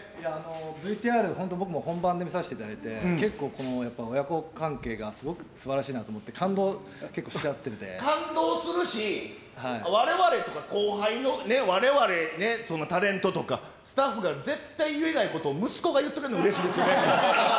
ＶＴＲ、本当、僕も本番見させていただいて、結構、親子関係がすごくすばらしいなと思って、感動、感動するし、われわれとか、後輩のわれわれ、タレントとか、スタッフが絶対言えないことを息子が言ってくれるの、うれしいですよね。